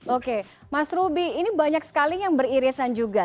oke mas ruby ini banyak sekali yang beririsan juga